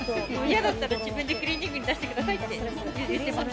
嫌だったら自分でクリーニングに出してくださいって。